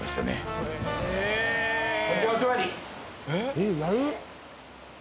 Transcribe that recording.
えっやる？